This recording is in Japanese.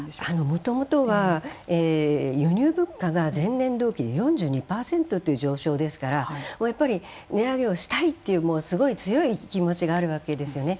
もともとは輸入物価が前年度比で４２％という上昇ですからやっぱり値上げをしたいというもうすごい強い気持ちがあるわけですね。